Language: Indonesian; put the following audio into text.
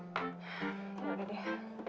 ya udah deh